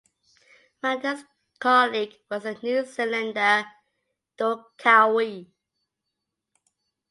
Randell's colleague was the New Zealander, Doug Cowie.